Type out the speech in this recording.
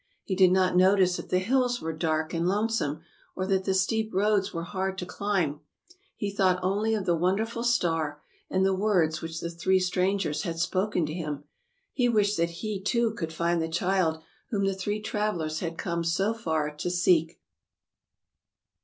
He did not notice that the hills were dark and lonesome, or that the steep roads were hard to climb; he thought only of the wonderful star and the words which the three strangers had spoken to him. He wished that he, too, could find the child whom the three travelers had come so far to seek.